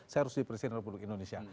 saya harus di presiden republik indonesia